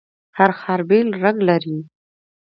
هر ښار بیل رنګ لري.